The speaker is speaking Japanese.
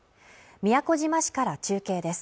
宮古島市から中継です